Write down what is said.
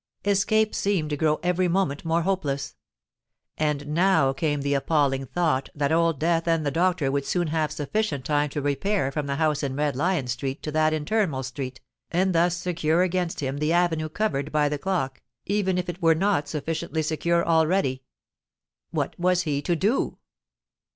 Escape seemed to grow every moment more hopeless; and now came the appalling thought that Old Death and the Doctor would soon have had sufficient time to repair from the house in Red Lion Street to that in Turnmill Street, and thus secure against him the avenue covered by the clock—even if it were not sufficiently secure already! What was he to do?